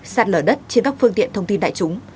sạt lở đất trên các phương tiện thông tin đại chúng